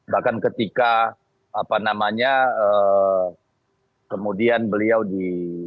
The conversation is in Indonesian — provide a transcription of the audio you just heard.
bahkan ketika apa namanya kemudian beliau di